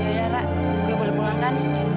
yaudah ra gue boleh pulangkan